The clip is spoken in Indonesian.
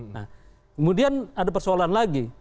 nah kemudian ada persoalan lagi